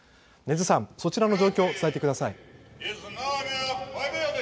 禰津さん、そちらの状況を伝えてください。